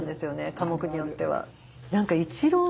科目によっては。